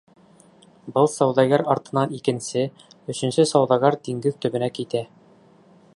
Был сауҙагәр артынан икенсе, өсөнсө сауҙагәр диңгеҙ төбөнә китә.